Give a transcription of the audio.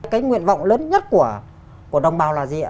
cái nguyện vọng lớn nhất của đồng bào là gì ạ